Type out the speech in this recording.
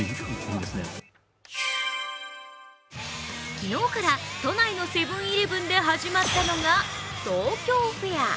昨日から都内のセブン−イレブンで始まったのが東京フェア。